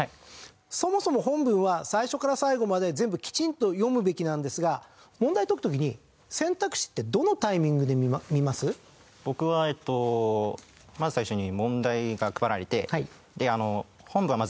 そもそも本文は最初から最後まで全部きちんと読むべきなんですが問題を解く時に僕はえーっとまず最初に問題が配られて。